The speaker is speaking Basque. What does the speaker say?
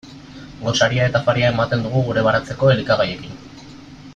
Gosaria eta afaria ematen dugu gure baratzeko elikagaiekin.